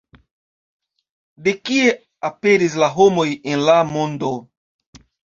De kie aperis la homoj en la mondo?